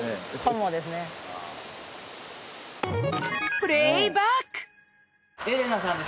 プレイバック！